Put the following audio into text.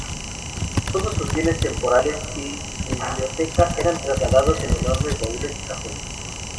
Todos sus bienes temporales y su biblioteca eran trasladados en enormes baúles y cajones.